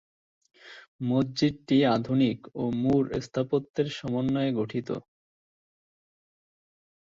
মসজিদটি আধুনিক ও মুর স্থাপত্যের সমন্বয়ে গঠিত।